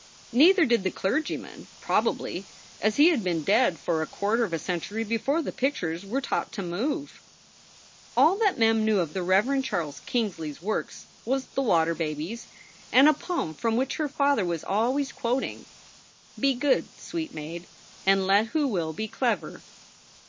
Neither did the clergyman, probably, as he had been dead for a quarter of a century before the pictures were taught to move. All that Mem knew of the Rev. Charles Kingsley s works was The Water Babies and a poem from which her father was always quoting, "Be good, sweet maid, and let who will be clever."